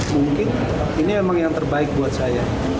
mungkin ini memang yang terbaik buat saya